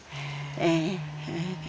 ええ。